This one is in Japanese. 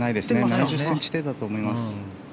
７０ｃｍくらいだと思います。